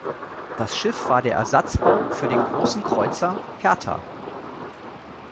Das Schiff war der Ersatzbau für den Großen Kreuzer "Hertha".